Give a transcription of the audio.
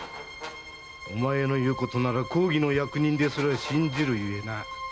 お前の言うことなら公儀の役人ですら信じるゆえな。